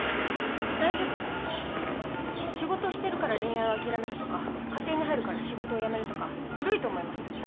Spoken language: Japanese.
大丈夫です仕事してるから恋愛を諦めるとか家庭に入るから仕事を辞めるとか古いと思います。